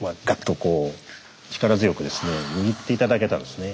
こう力強くですね握って頂けたんですね。